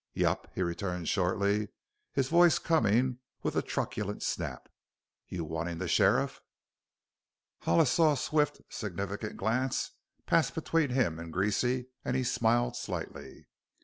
"Yep," he returned shortly, his voice coming with a truculent snap. "You wantin' the sheriff?" Hollis saw a swift, significant glance pass between him and Greasy and he smiled slightly.